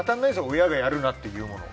親がやるなっていうものは。